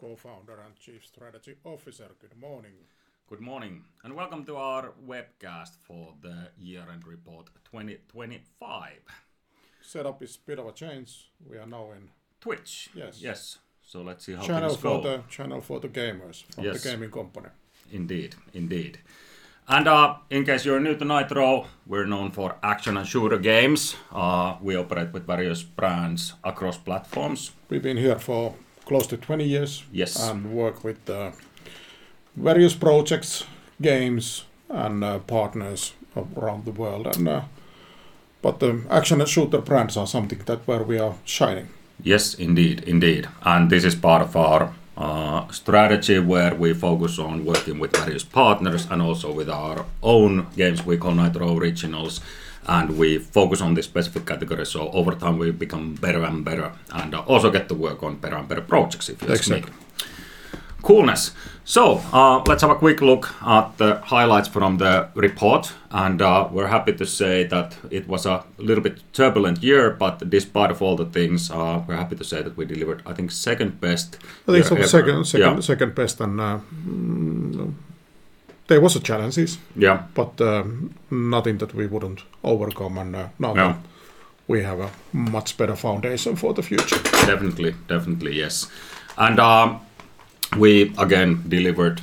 Co-founder and Chief Strategy Officer. Good morning. Good morning, and welcome to our webcast for the year-end report 2025. Setup is a bit of a change. We are now in. Twitch. Yes. Yes. So let's see how things go. Channel for the gamers of the gaming company. Indeed, indeed. In case you're new to Nitro, we're known for action and shooter games. We operate with various brands across platforms. We've been here for close to 20 years and work with various projects, games, and partners around the world, and but the action and shooter brands are something that where we are shining. Yes, indeed, indeed. And this is part of our strategy, where we focus on working with various partners and also with our own games we call Nitro Originals, and we focus on this specific category, so over time, we become better and better, and also get to work on better and better projects, if you like. Exactly. Coolness! So, let's have a quick look at the highlights from the report. And, we're happy to say that it was a little bit turbulent year, but despite of all the things, we're happy to say that we delivered, I think, second best. I think second, second best, and there was challenges but nothing that we wouldn't overcome, and now we have a much better foundation for the future. Definitely, definitely, yes. And we again delivered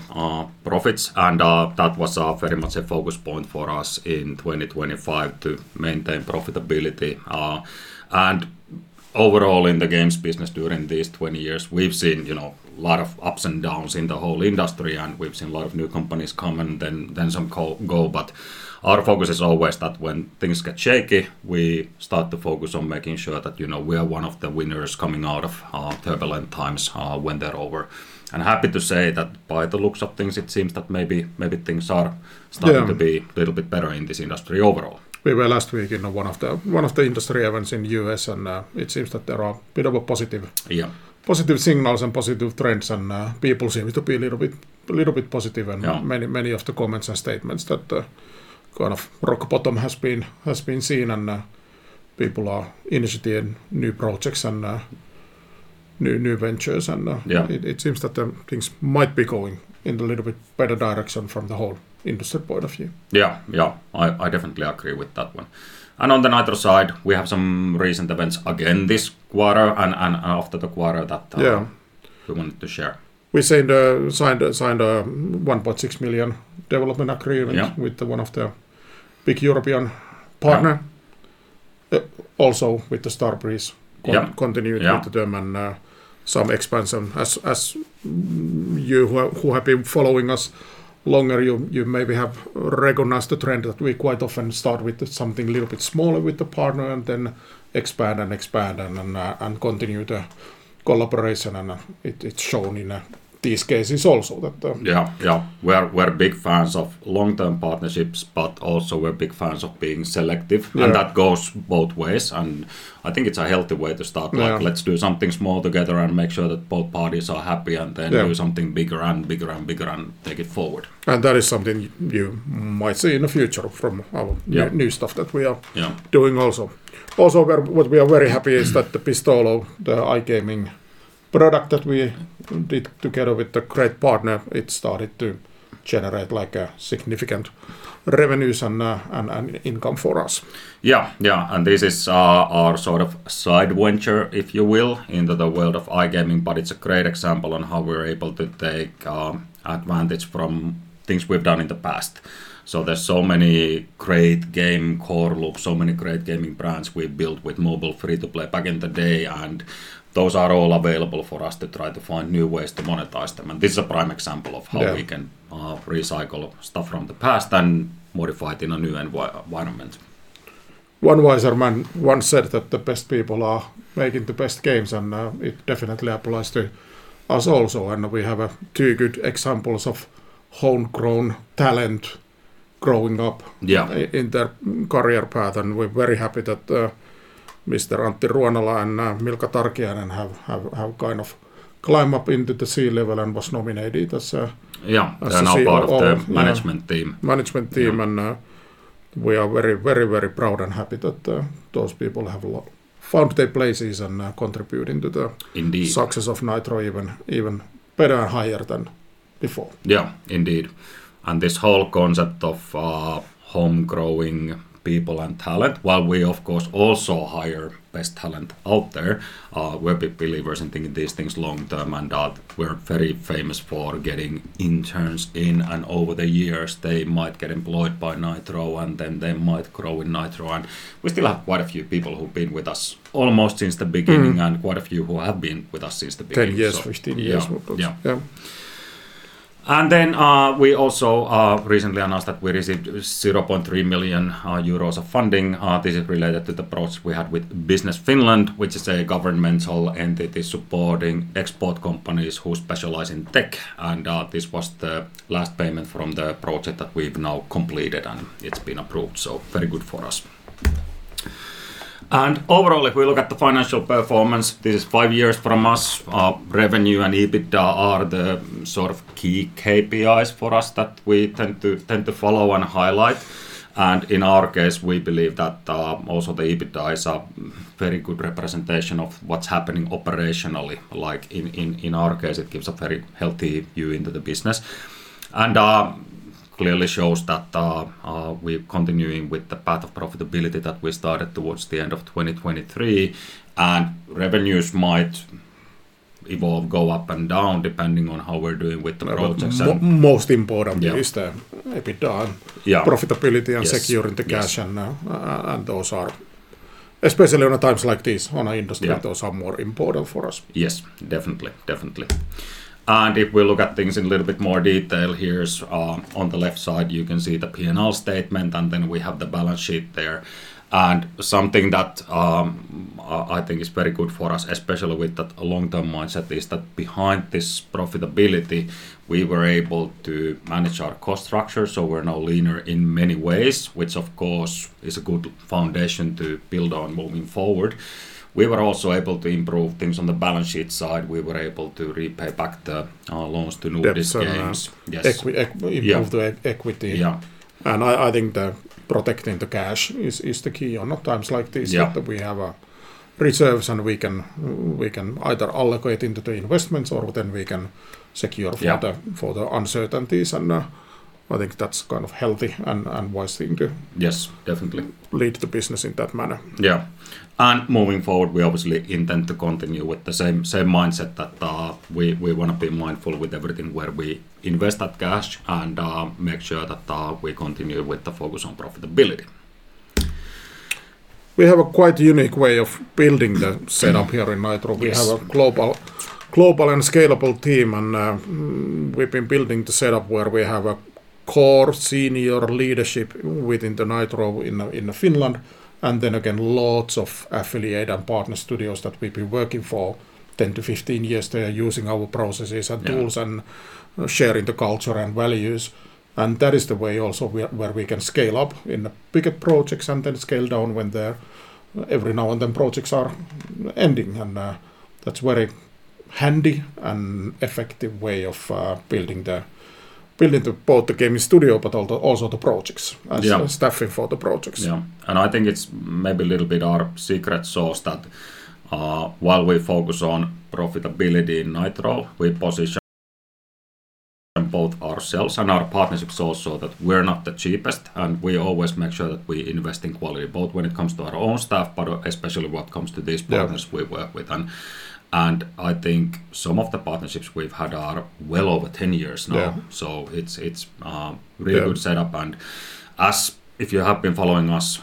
profits, and that was very much a focus point for us in 2025 to maintain profitability. And overall, in the games business during these 20 years, we've seen, you know, a lot of ups and downs in the whole industry, and we've seen a lot of new companies come and then some go, but our focus is always that when things get shaky, we start to focus on making sure that, you know, we are one of the winners coming out of turbulent times when they're over. And happy to say that by the looks of things, it seems that maybe, maybe things are starting-to be a little bit better in this industry overall. We were last week in one of the industry events in the U.S., and it seems that there are a bit of a positive, positive signals and positive trends, and, people seem to be a little bit, a little bit positive, and many many of the comments and statements that, kind of rock bottom has been seen, and, people are initiating new projects and, new ventures, and it seems that the things might be going in a little bit better direction from the whole industry point of view. Yeah. Yeah, I definitely agree with that one. And on the Nitro side, we have some recent events again this quarter and after the quarter that we wanted to share. We signed a 1.6 million development agreement with one of the big European partner. Also with the Starbreeze continuity with them and some expansion. As you who have been following us longer, you maybe have recognized the trend that we quite often start with something a little bit smaller with the partner and then expand and expand and continue the collaboration, and it's shown in these cases also that. Yeah, yeah. We're big fans of long-term partnerships, but also we're big fans of being selective and that goes both ways, and I think it's a healthy way to start. Like, let's do something small together and make sure that both parties are happy, and then do something bigger and bigger and bigger and take it forward. That is something you might see in the future from our new stuff that we are doing also. Also, we are very happy is that the Pistolo, the iGaming product that we did together with the great partner, it started to generate like a significant revenues and income for us. Yeah, yeah, and this is our sort of side venture, if you will, into the world of iGaming, but it's a great example on how we're able to take advantage from things we've done in the past. So there's so many great game core loop, so many great gaming brands we've built with mobile free-to-play back in the day, and those are all available for us to try to find new ways to monetize them. And this is a prime example of how we can recycle stuff from the past and modify it in a new environment. One wiser man once said that the best people are making the best games, and it definitely applies to us also. We have two good examples of homegrown talent growing up in their career path, and we're very happy that Mr. Antti Rantanen and Miikka Parkkinen have kind of climbed up into the C-level and was nominated as, as a C-level. They are now part of the management team. Management team, and we are very, very, very proud and happy that those people have found their places and contributing to the success of Nitro even better and higher than before. Yeah, indeed. And this whole concept of, home-growing people and talent, while we, of course, also hire best talent out there, we're big believers in thinking these things long-term, and, we're very famous for getting interns in, and over the years, they might get employed by Nitro, and then they might grow with Nitro. And we still have quite a few people who've been with us almost since the beginning and quite a few who have been with us since the beginning. 10 years, 15 years. Yeah. Yeah. Yeah. And then, we also recently announced that we received 0.3 million euros of funding. This is related to the approach we had with Business Finland, which is a governmental entity supporting export companies who specialize in tech, and this was the last payment from the project that we've now completed, and it's been approved, so very good for us. And overall, if we look at the financial performance, this is five years from us. Revenue and EBITDA are the sort of key KPIs for us that we tend to follow and highlight, and in our case, we believe that also the EBITDA is a very good representation of what's happening operationally. Like in our case, it gives a very healthy view into the business. And clearly shows that we're continuing with the path of profitability that we started towards the end of 2023, and revenues might evolve, go up and down, depending on how we're doing with the project. Well, most importantly is the EBITDA and profitability and securing the cash and those are, especially on the times like this on our industry. Those are more important for us. Yes, definitely, definitely. And if we look at things in a little bit more detail, here's on the left side, you can see the P&L statement, and then we have the balance sheet there. And something that I think is very good for us, especially with that long-term mindset, is that behind this profitability, we were able to manage our cost structure, so we're now leaner in many ways, which of course is a good foundation to build on moving forward. We were also able to improve things on the balance sheet side. We were able to repay back the loans to Nordisk Games. Improve the equity. And I think that protecting the cash is the key on times like this that we have reserves, and we can either allocate into the investments, or then we can secure for the uncertainties. And, I think that's kind of healthy and wise thing to lead the business in that manner. Yeah. Moving forward, we obviously intend to continue with the same, same mindset that we, we wanna be mindful with everything where we invest that cash and make sure that we continue with the focus on profitability. We have a quite unique way of building the setup here in Nitro. We have a global and scalable team, and we've been building the setup where we have a core senior leadership within the Nitro in Finland, and then again, lots of affiliate and partner studios that we've been working for 10-15 years. They are using our processes and tools and sharing the culture and values, and that is the way also where we can scale up in the bigger projects and then scale down when there, every now and then, projects are ending. And that's very handy and effective way of building the both the gaming studio but also the projects and staffing for the projects. Yeah, and I think it's maybe a little bit our secret sauce that, while we focus on profitability in Nitro, we position both ourselves and our partnerships also, that we're not the cheapest, and we always make sure that we invest in quality, both when it comes to our own staff, but especially when it comes to these partners we work with. I think some of the partnerships we've had are well over 10 years now. So it's really good setup, and if you have been following us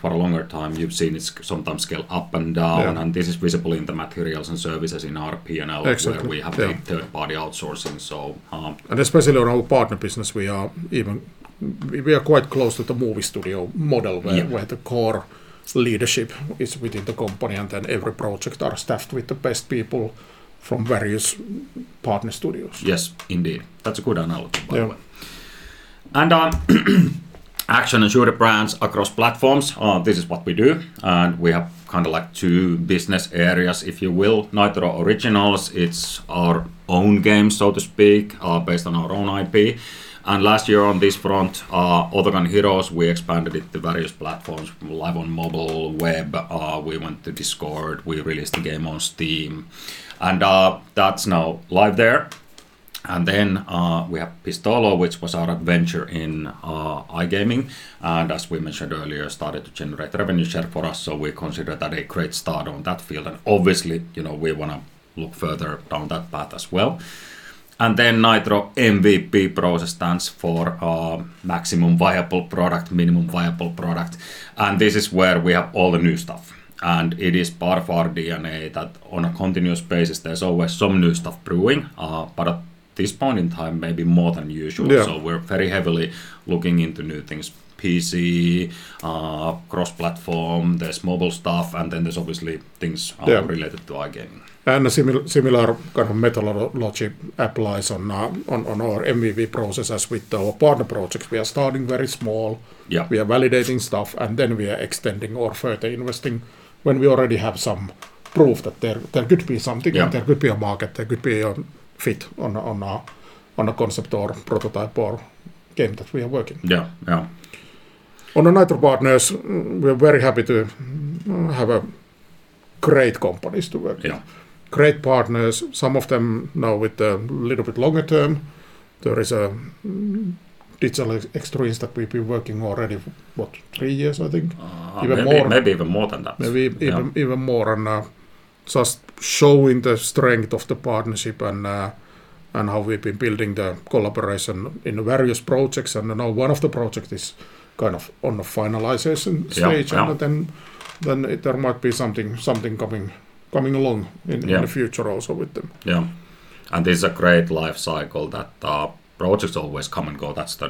for a longer time, you've seen it's sometimes scale up and down and this is visible in the materials and services in our P&L where we have the third-party outsourcing. And especially on our partner business, we are quite close to the movie studio model where the core leadership is within the company, and then every project are staffed with the best people from various partner studios. Yes, indeed. That's a good analogy, by the way. Action and shooter brands across platforms, this is what we do, and we have kind of like two business areas, if you will. Nitro Originals, it's our own game, so to speak, based on our own IP, and last year on this front, Autogun Heroes, we expanded it to various platforms, live on mobile, web. We went to Discord. We released a game on Steam, and that's now live there. And then, we have Pistolo, which was our adventure in iGaming, and as we mentioned earlier, started to generate revenue share for us, so we consider that a great start on that field. And obviously, you know, we wanna look further down that path as well. And then Nitro MVP process stands for, maximum viable product, minimum viable product, and this is where we have all the new stuff. It is part of our DNA that on a continuous basis, there's always some new stuff brewing, but at this point in time, maybe more than usual. So we're very heavily looking into new things: PC, cross-platform, there's mobile stuff, and then there's obviously things related to iGaming. And a similar kind of methodology applies on our MVP process as with our partner projects. We are starting very small we are validating stuff, and then we are extending or further investing when we already have some proof that there could be something there could be a market, there could be a fit on a concept or prototype or game that we are working. On the Nitro Partners, we're very happy to have a great companies to work with great partners, some of them now with a little bit longer term. There is Digital Extremes that we've been working already, what, three years, I think? Even more. Maybe, maybe even more than that. Maybe even even more, and, just showing the strength of the partnership and, and how we've been building the collaboration in various projects. And now one of the projects is kind of on the finalization stage and then it there might be something coming along in the future also with them. Yeah, and this is a great life cycle that projects always come and go. That's the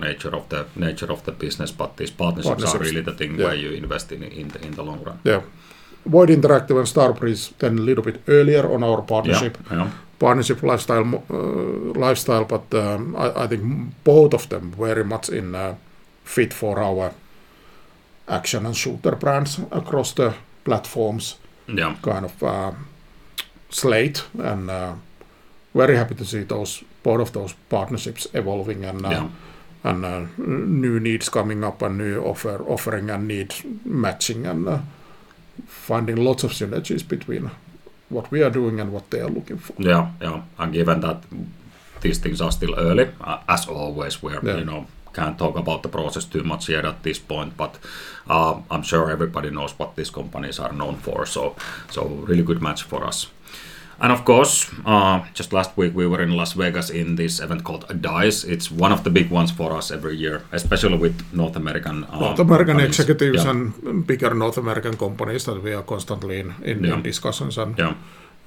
nature of the business, but these partnerships are really the thing where you invest in the long run. Yeah. VOID Interactive and Starbreeze, then a little bit earlier on our partnership. Partnership lifecycle, but I think both of them very much in fit for our action and shooter brands across the platforms kind of slate, and very happy to see those, both of those partnerships evolving and new needs coming up and new offering and need matching, and finding lots of synergies between what we are doing and what they are looking for. Yeah, yeah. Given that these things are still early, as always, we're you know, can't talk about the process too much here at this point, but, I'm sure everybody knows what these companies are known for. So, so really good match for us. And of course, just last week we were in Las Vegas in this event called D.I.C.E. It's one of the big ones for us every year, especially with North American companies. North American executives and bigger North American companies that we are constantly in discussions,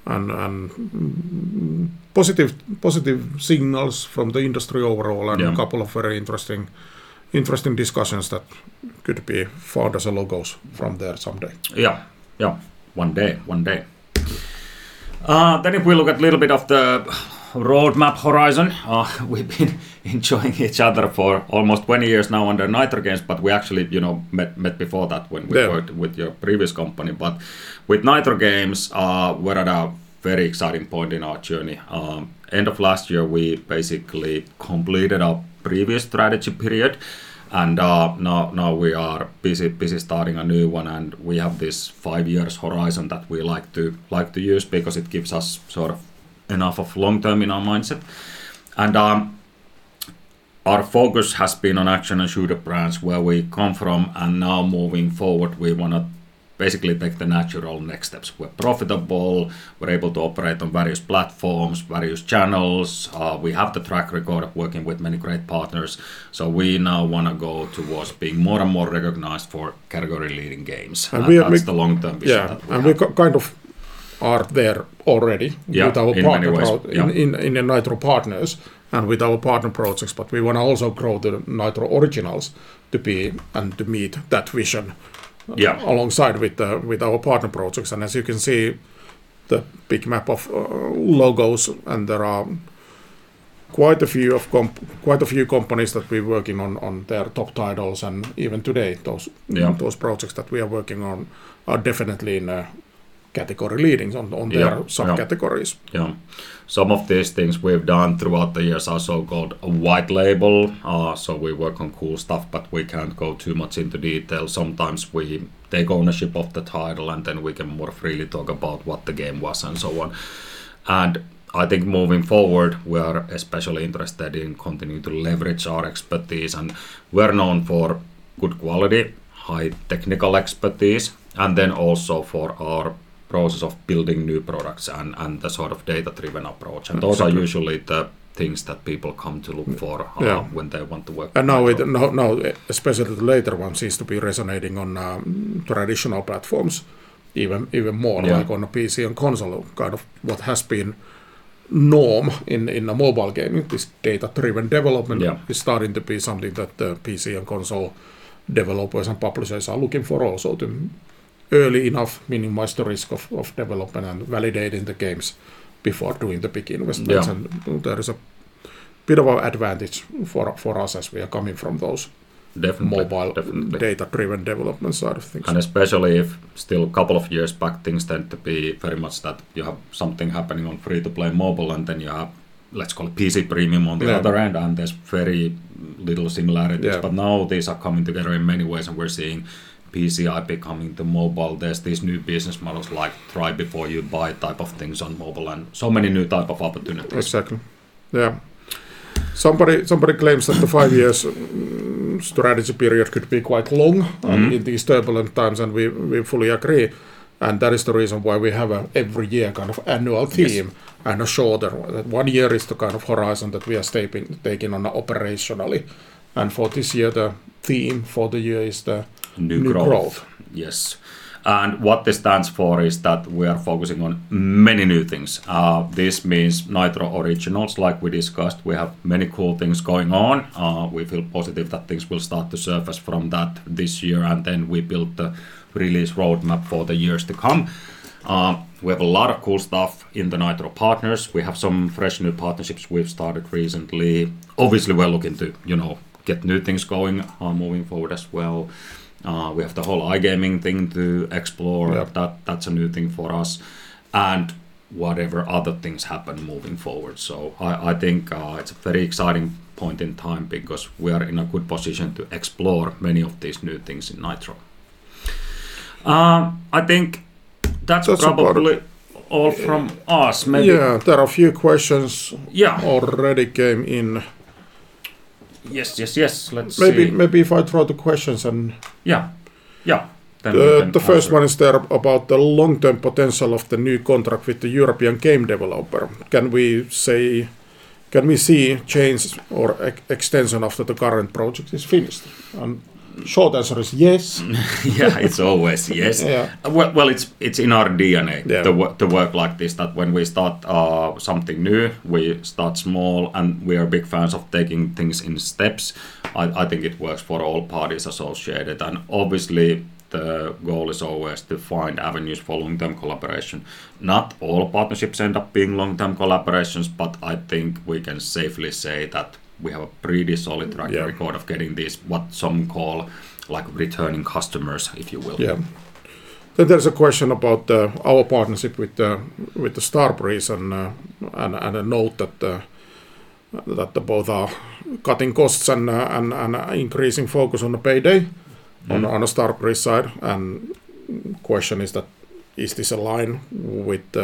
and positive signals from the industry overall and a couple of very interesting, interesting discussions that could be future logos from there someday. Yeah, yeah. One day, one day. Then if we look at a little bit of the roadmap horizon, we've been enjoying each other for almost 20 years now under Nitro Games, but we actually, you know, met, met before that when we worked with your previous company. But with Nitro Games, we're at a very exciting point in our journey. End of last year, we basically completed our previous strategy period, and now we are busy starting a new one, and we have this five-years horizon that we like to use because it gives us sort of enough of long-term in our mindset. Our focus has been on action and shooter brands, where we come from, and now moving forward, we wanna basically take the natural next steps. We're profitable, we're able to operate on various platforms, various channels. We have the track record of working with many great partners, so we now wanna go towards being more and more recognized for category-leading games. That's the long-term vision that we have. Yeah, and we kind of are there already with our partner projects in the Nitro Partners and with our partner projects, but we wanna also grow the Nitro Originals to be and to meet that vision alongside with our partner projects. And as you can see, the big map of logos, and there are quite a few companies that we're working on their top titles, and even today, those projects that we are working on are definitely in a category leading on their sub-categories. Yeah. Some of these things we've done throughout the years are so-called white label. So we work on cool stuff, but we can't go too much into detail. Sometimes we take ownership of the title, and then we can more freely talk about what the game was and so on. And I think moving forward, we are especially interested in continuing to leverage our expertise, and we're known for good quality, high technical expertise, and then also for our process of building new products and, and the sort of data-driven approach. Those are usually the things that people come to look for when they want to work with Nitro. Now it, especially the later ones, seems to be resonating on traditional platforms, even more like on a PC and console, kind of what has been norm in the mobile gaming. This data-driven development is starting to be something that the PC and console developers and publishers are looking for also, to early enough minimize the risk of development and validating the games before doing the big investments. There is a bit of an advantage for us as we are coming from those mobile data-driven development side of things. Especially if still a couple of years back, things tend to be very much that you have something happening on free-to-play mobile, and then you have, let's call it PC premium on the other end and there's very little similarities. Now these are coming together in many ways, and we're seeing PC IP coming to mobile. There's these new business models like try before you buy type of things on mobile, and so many new type of opportunities. Exactly. Yeah. Somebody claims that the five-year strategy period could be quite long in these turbulent times, and we fully agree, and that is the reason why we have every year kind of annual theme and a shorter one. One year is the kind of horizon that we are taking on operationally, and for this year, the theme for the year is the new growth. Yes, and what this stands for is that we are focusing on many new things. This means Nitro Originals, like we discussed. We have many cool things going on. We feel positive that things will start to surface from that this year, and then we build the release roadmap for the years to come. We have a lot of cool stuff in the Nitro Partners. We have some fresh, new partnerships we've started recently. Obviously, we're looking to, you know, get new things going, moving forward as well. We have the whole iGaming thing to explore that, that's a new thing for us, and whatever other things happen moving forward. So I think it's a very exciting point in time because we are in a good position to explore many of these new things in Nitro. I think that's probably all from us. Yeah, there are a few questions already came in. Yes, yes, yes. Let's see. Maybe if I throw the questions. The first one is there about the long-term potential of the new contract with the European game developer. Can we say, can we see change or extension after the current project is finished? Short answer is yes. Yeah, it's always yes. Well, well, it's in our DNA to work, to work like this, that when we start something new, we start small, and we are big fans of taking things in steps. I think it works for all parties associated, and obviously, the goal is always to find avenues for long-term collaboration. Not all partnerships end up being long-term collaborations, but I think we can safely say that we have a pretty solid track record of getting these, what some call, like, returning customers, if you will. Yeah. Then there's a question about our partnership with the Starbreeze and a note that both are cutting costs and increasing focus on the PAYDAY on the Starbreeze side. And question is that, is this aligned with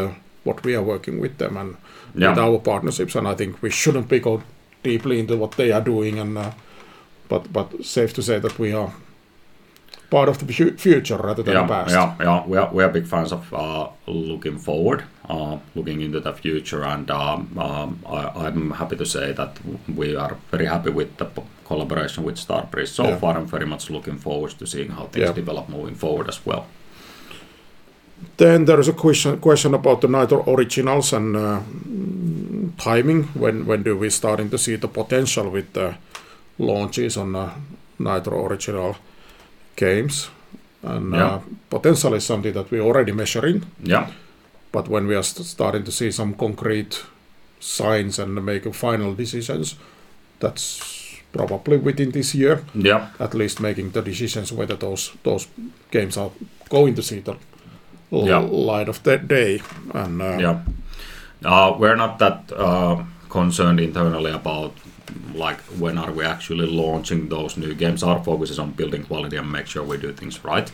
what we are working with them and with our partnerships? And I think we shouldn't go deeply into what they are doing, and, but safe to say that we are part of the future rather than the past. Yeah, yeah, yeah. We are, we are big fans of looking forward, looking into the future. And, I'm happy to say that we are very happy with the collaboration with Starbreeze so far and very much looking forward to seeing how things develop moving forward as well. Then there is a question about the Nitro Originals and timing. When do we starting to see the potential with the launches on Nitro Original games? And potential is something that we're already measuring. But when we are starting to see some concrete signs and make final decisions, that's probably within this year. At least making the decisions whether those games are going to see the light of the day. Yeah. We're not that concerned internally about, like, when are we actually launching those new games. Our focus is on building quality and make sure we do things right.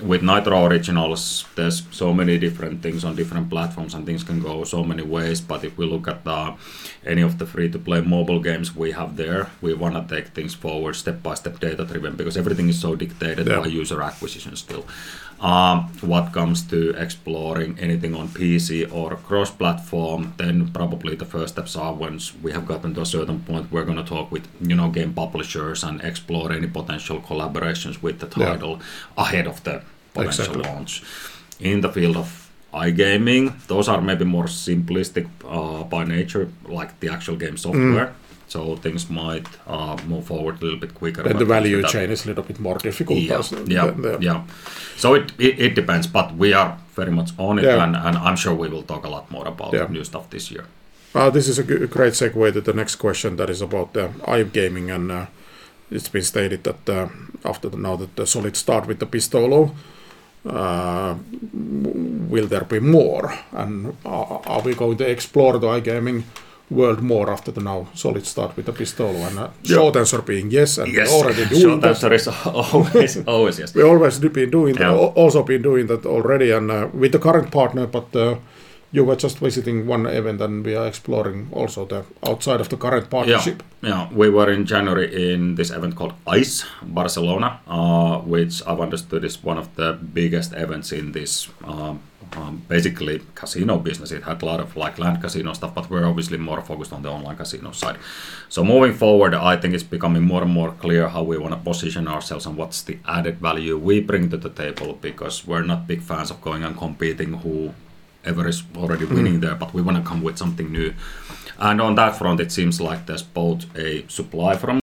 With Nitro Originals, there's so many different things on different platforms, and things can go so many ways. But if we look at any of the free-to-play mobile games we have there, we wanna take things forward step by step, data-driven, because everything is so dictated by user acquisition still. What comes to exploring anything on PC or cross-platform, then probably the first steps are once we have gotten to a certain point, we're gonna talk with, you know, game publishers and explore any potential collaborations with the title ahead of the potential launch. In the field of iGaming, those are maybe more simplistic, by nature, like the actual game software. So things might move forward a little bit quicker. But the value chain is a little bit more difficult also. Yeah. Yeah, yeah. So it depends, but we are very much on it and I'm sure we will talk a lot more about new stuff this year. Well, this is a great segue to the next question that is about the iGaming, and it's been stated that after now that the solid start with the Pistolo, will there be more? And are we going to explore the iGaming world more after the now solid start with the Pistolo? And short answer being yes and we're already doing that. Short answer is always, always yes. We always be doing also been doing that already and with the current partner, but you were just visiting one event, and we are exploring also the outside of the current partnership. Yeah, yeah. We were in January in this event called ICE Barcelona, which I've understood is one of the biggest events in this basically casino business. It had a lot of, like, land casino stuff, but we're obviously more focused on the online casino side. So moving forward, I think it's becoming more and more clear how we wanna position ourselves and what's the added value we bring to the table, because we're not big fans of going and competing whoever is already winning there but we wanna come with something new. On that front, it seems like there's both a supply from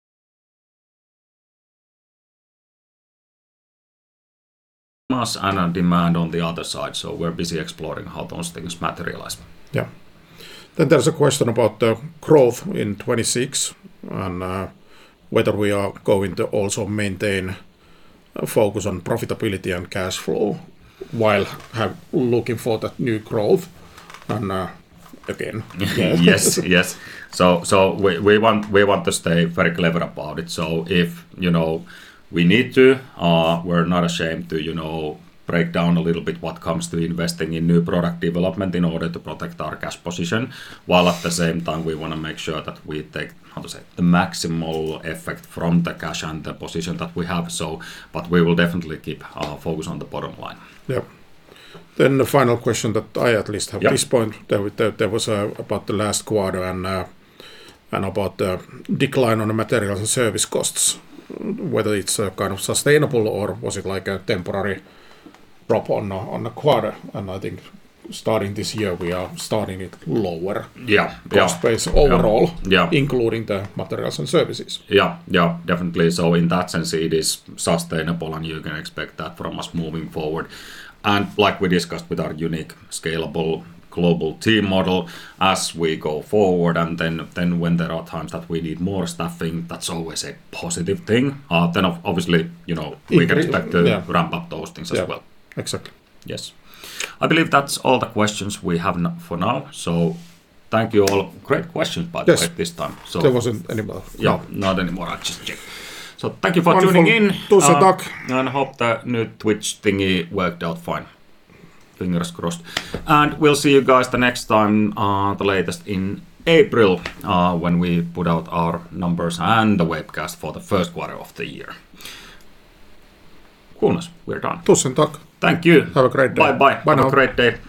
us and a demand on the other side, so we're busy exploring how those things materialize. Yeah. Then there's a question about the growth in 2026, and whether we are going to also maintain a focus on profitability and cash flow while looking for that new growth. And again, Yes. So we want to stay very clever about it. So if, you know, we need to, we're not ashamed to, you know, break down a little bit what comes to investing in new product development in order to protect our cash position, while at the same time, we wanna make sure that we take, how to say, the maximal effect from the cash and the position that we have, but we will definitely keep our focus on the bottom line. Yeah. Then the final question that I at least have at this point, there was about the last quarter and about the decline on the materials and service costs, whether it's kind of sustainable or was it, like, a temporary drop on a quarter? And I think starting this year, we are starting it lower cost base overall including the materials and services. Yeah, yeah, definitely. So in that sense, it is sustainable, and you can expect that from us moving forward. And like we discussed with our unique, scalable global team model, as we go forward, and then when there are times that we need more staffing, that's always a positive thing. Then obviously, you know, we can expect to ramp up those things as well. Yeah, exactly. Yes. I believe that's all the questions we have for now, so thank you, all. Great questions, by the way this time. There wasn't anymore. Yeah, not anymore. I just checked. So thank you for tuning in and hope the new Twitch thingy worked out fine. Fingers crossed. And we'll see you guys the next time, the latest in April, when we put out our numbers and the webcast for the first quarter of the year. Coolness. We're done. Thank you. Have a great day. Bye bye. Bye now. Have a great day.